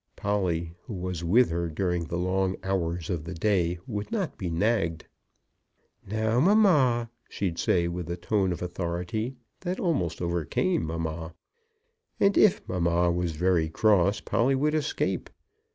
Polly, who was with her during the long hours of the day, would not be nagged. "Now, mamma!" she'd say with a tone of authority that almost overcame mamma. And if mamma was very cross, Polly would escape.